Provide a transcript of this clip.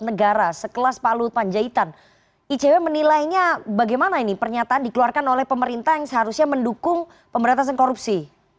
negara sekelas pak luhut panjaitan icw menilainya bagaimana ini pernyataan dikeluarkan oleh pemerintah yang seharusnya mendukung pemberantasan korupsi